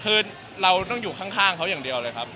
คือเราต้องอยู่ข้างเขาอย่างเดียวเลยครับ